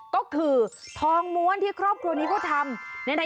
ก็คือทองม้วนที่ครอบครัวนี้เขาทำ